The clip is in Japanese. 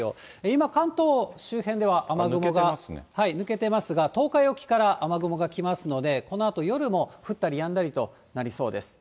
今、関東周辺では雨雲が抜けてますが、東海沖から雨雲が来ますので、このあと、夜も降ったりやんだりとなりそうです。